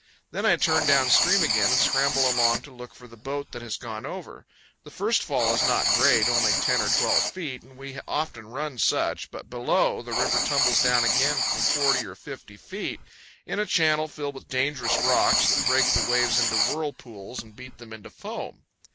Then I turn down stream again and scramble along to look for the boat that has gone over. The first fall is not great, only 10 or 12 feet, and we often run such; but below, the river tumbles down again for 40 or 50 feet, in a channel filled with dangerous rocks that break the waves into whirlpools and beat them into foam.